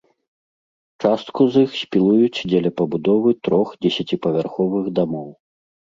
Частку з іх спілуюць дзеля пабудовы трох дзесяціпавярховых дамоў.